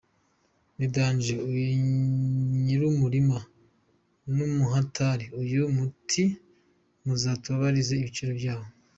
Ni dange uyu nyirumurima numuhatari uyu mutiwe muzatubarize ibiciro byawo.